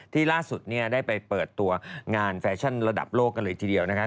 ล่าสุดเนี่ยได้ไปเปิดตัวงานแฟชั่นระดับโลกกันเลยทีเดียวนะคะ